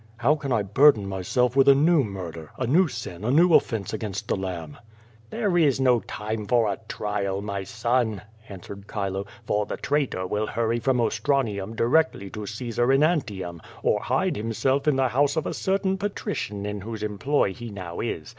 "How can I burden myself with a new murder, a new sin, a new offence against the Lamb? QUO VADI8. 141 "There is no time for a trial, my son," answered Chilo, "for the traitor will hurry from Ostranium directly to Caesar in Antium, or hide himself in the house of a certain patrician in whose employ he now is.